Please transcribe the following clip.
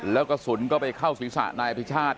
แล้วกระสุนก็ไปเข้าศีรษะนายอภิชาติ